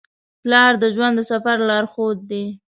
پلار د ژوند د سفر لارښود دی.